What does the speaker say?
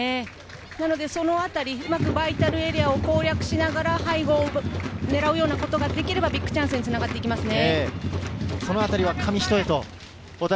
そのあたり、うまくバイタルエリアを攻略しながら背後を狙うようなことができれば、ビッグチャンスにつながっていきますね。